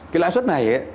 cái lãi suất này